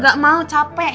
gak mau capek